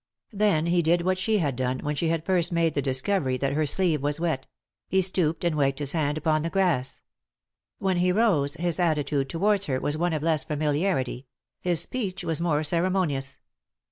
Then he did what she had done, when she had first made the discovery that her sleeve was wet— he stooped and wiped his hand upon the grass. When he rose his attitude towards her was one of less familiarity ; his speech was more ceremonious.